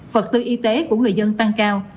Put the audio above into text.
vật tư y tế của người dân tăng cao